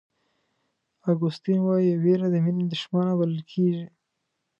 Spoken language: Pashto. اګوستین وایي وېره د مینې دښمنه بلل کېږي.